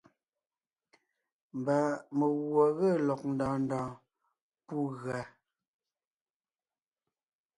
Mba meguɔ ge lɔg ndɔɔn ndɔɔn pú gʉa.